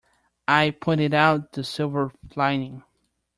I pointed out the silver lining.